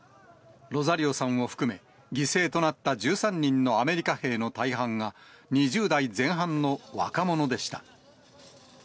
ロザリオさんを含め、犠牲となった１３人のアメリカ兵の大半が、２０代前半の若者でした。